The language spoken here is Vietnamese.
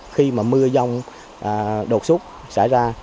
khi mà mưa dông đột xuất xảy ra